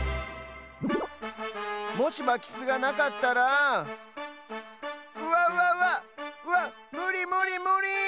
もしまきすがなかったらわわわっわっむりむりむり！